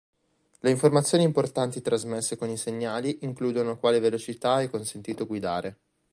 Le informazioni importanti trasmesse con i segnali includono quale velocità è consentito guidare.